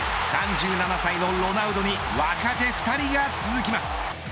３７歳のロナウドに若手２人が続きます。